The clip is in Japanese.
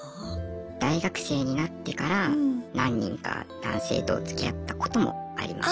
大学生になってから何人か男性とつきあったこともありましたね。